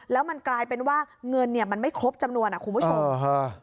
แล้วมันกลายเป็นว่าเงินไม่ครบจำนวนนะคุณผู้ชม